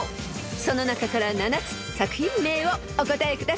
［その中から７つ作品名をお答えください］